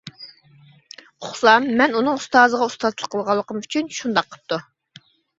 ئۇقسام مەن ئۇنىڭ ئۇستازىغا ئۇستاتلىق قىلغانلىقىم ئۈچۈن شۇنداق قىپتۇ.